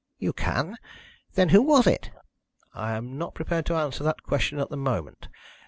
"You can! Then who was it?" "I am not prepared to answer that question at the moment.